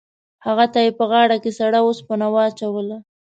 هغه ته یې په غاړه کې سړه اوسپنه واچوله.